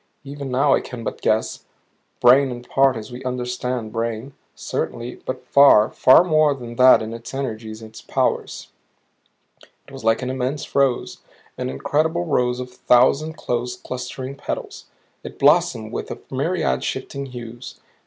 Even now I can but guess brain in part as we understand brain, certainly; but far, far more than that in its energies, its powers. It was like an immense rose. An incredible rose of a thousand close clustering petals. It blossomed with a myriad shifting hues.